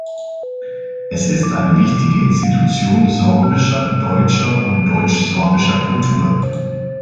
Es ist eine wichtige Institution sorbischer, deutscher und deutsch-sorbischer Kultur.